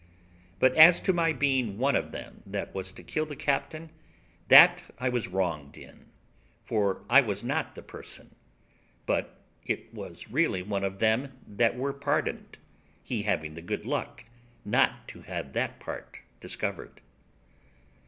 But as to my being one of them that was to kill the captain, that I was wronged in, for I was not the person, but it was really one of them that were pardoned, he having the good luck not to have that part discovered.